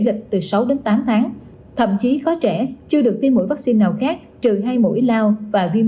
lịch từ sáu đến tám tháng thậm chí có trẻ chưa được tiêm mũi vaccine nào khác trừ hai mũi lao và viêm